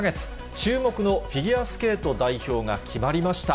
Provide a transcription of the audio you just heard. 注目のフィギュアスケート代表が決まりました。